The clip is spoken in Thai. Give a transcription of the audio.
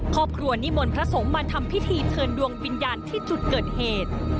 ครอบครัวนิมนต์พระสงฆ์มาทำพิธีเชิญดวงวิญญาณที่จุดเกิดเหตุ